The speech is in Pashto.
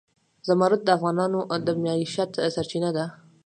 زمرد د افغانانو د معیشت سرچینه ده.